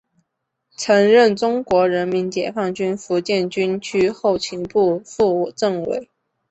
曾任中国人民解放军福建军区后勤部副政委。